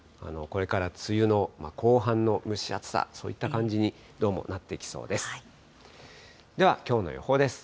これから梅雨の後半の蒸し暑さ、そういった感じに、どうもなってきそうです。